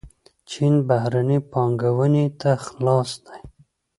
چین بهرنۍ پانګونې ته خلاص دی.